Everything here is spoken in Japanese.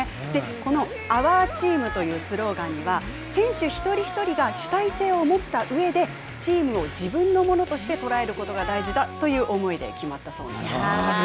このＯｕｒＴｅａｍというスローガンには、選手一人一人が主体性を持ったうえで、チームを自分のものとして捉えることが大事だという思いで決まったそうなんです。